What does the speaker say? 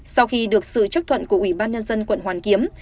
sau khi được sự chấp thuận của ủy ban nhân dân quận hoàn kiếm